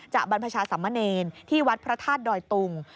บรรพชาสัมมะเนรที่วัดพระธาตุดอยตุง